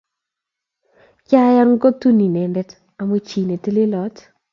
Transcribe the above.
Kiiyan kotun inendet amu chi ne telelot